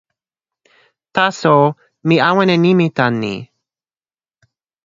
taso, mi awen e nimi tan ni.